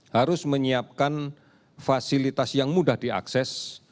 harus menyiapkan fasilitas yang mudah diakses